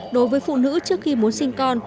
đối với phụ nữ trước khi muốn sinh con